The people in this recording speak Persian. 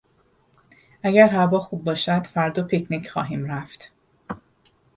اگر هوا خوب باشد فردا پیک نیک خواهیم رفت.